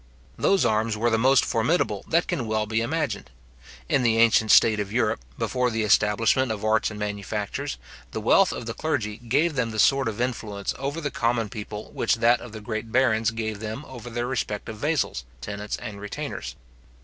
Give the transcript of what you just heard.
Those arms were the most formidable that can well be imagined. In the ancient state of Europe, before the establishment of arts and manufactures, the wealth of the clergy gave them the same sort of influence over the common people which that of the great barons gave them over their respective vassals, tenants, and retainers.